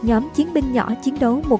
nhóm chiến binh nhỏ chiến đấu một